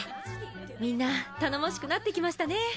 みんな頼もしくなってきましたね。